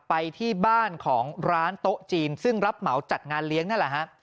ไปที่บ้านของร้านโต๊ะจีนซึ่งรับเหมาจัดงานเลี้ยงนั่นแหละฮะ